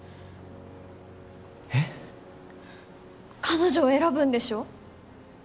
彼女を選ぶんでしょ。